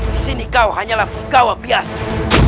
disini kau hanyalah penggawa biasa